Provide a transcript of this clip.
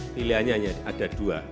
pilihannya hanya ada dua